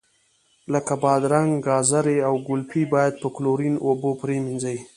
لکه بادرنګ، ګازرې او ګلپي باید په کلورین اوبو پرېمنځئ.